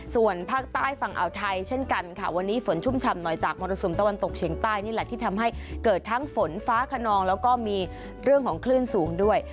ส่วนภาคใต้ฝั่งอ่าวไทยเช่นกันค่ะวันนี้ฝนชุ่มฉ่ำหน่อยจากมรสุมตะวันตกเฉียงใต้นี่แหละที่ทำให้เกิดทั้งฝนฟ้าขนองแล้วก็มีเรื่องของคลื่นสูงด้วย